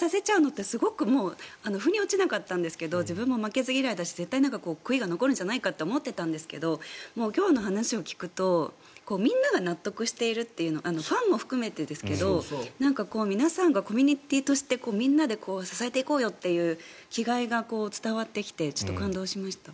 って、すごく腑に落ちなかったんですけど自分も負けず嫌いだし絶対に悔いが残るんじゃないかと思っていたんですけど今日の話を聞くとみんなが納得しているというのがファンも含めてですが皆さんがコミュニティーとしてみんなで支えていこうよって気概が伝わってきてちょっと感動しました。